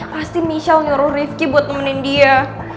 pasti michelle nyuruh rifqi buat nemenin dia